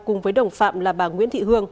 cùng với đồng phạm là bà nguyễn thị hương